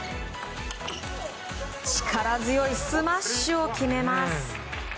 力強いスマッシュを決めます。